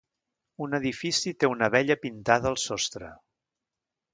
Un edifici té una abella pintada al sostre.